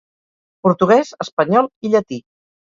Portuguès, espanyol i llatí.